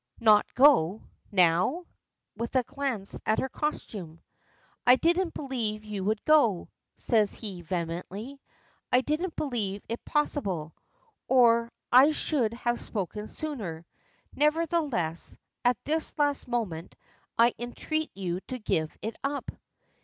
"Not go now," with a glance at her costume. "I didn't believe you would go," says he vehemently. "I didn't believe it possible or I should have spoken sooner. Nevertheless, at this last moment, I entreat you to give it up."